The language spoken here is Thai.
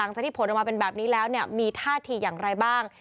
ที่ผลออกมาเป็นแบบนี้แล้วมีท่าทีอย่างไรบ้าง